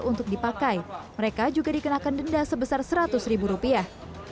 untuk dipakai mereka juga dikenakan denda sebesar seratus ribu rupiah